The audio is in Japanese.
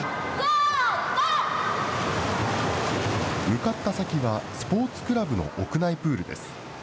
向かった先はスポーツクラブの屋内プールです。